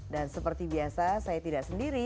dan seperti biasa saya tidak sendiri